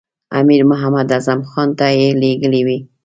امیر محمد اعظم خان ته یې لېږلی وي.